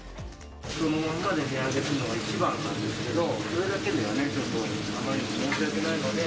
そのまんまで値上げするのが一番なんですけど、それだけではね、ちょっとあまりにも申し訳ないので。